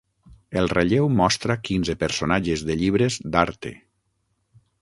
El relleu mostra quinze personatges de llibres d'Harte.